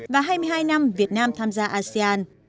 và hai mươi hai năm việt nam tham gia asean